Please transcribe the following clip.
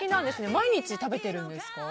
毎日、食べているんですか？